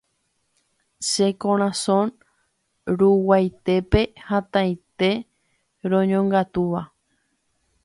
Che korasõ ruguaitépe hatãite roñongatúva